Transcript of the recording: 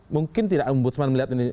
mungkin tidak mbu butsman melihat ini